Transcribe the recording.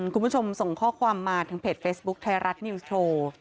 คุณผู้ชมส่งข้อความมาถึงเพจเฟซบุ๊คไทยรัฐนิวส์โชว์